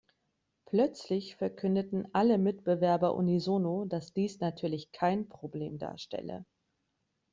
Plötzlich verkündeten alle Mitbewerber unisono, dass dies natürlich kein Problem darstelle.